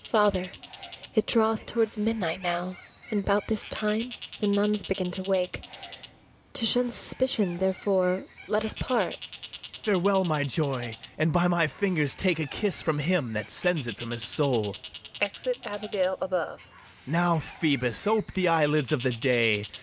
] ABIGAIL. Father, it draweth towards midnight now, And 'bout this time the nuns begin to wake; To shun suspicion, therefore, let us part. BARABAS. Farewell, my joy, and by my fingers take A kiss from him that sends it from his soul. [Exit ABIGAIL above.] Now, Phoebus, ope the eye lids of the day.